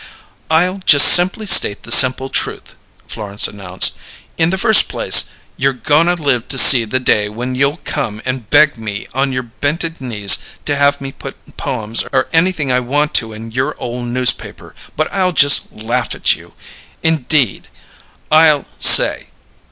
"I'll just simply state the simple truth," Florence announced. "In the first place, you're goin' to live to see the day when you'll come and beg me on your bented knees to have me put poems or anything I want to in your ole newspaper, but I'll just laugh at you! 'Indeed?' I'll say!